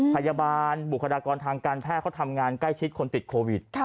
พยาบาลบุคลากรทางการแพทย์เขาทำงานใกล้ชิดคนติดโควิด